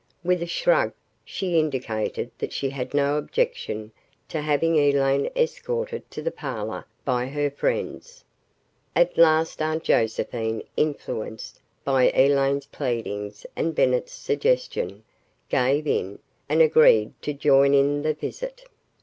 With a shrug, she indicated that she had no objection to having Elaine escorted to the parlor by her friends. At last Aunt Josephine, influenced by Elaine's pleadings and Bennett's suggestion, gave in and agreed to join in the visit.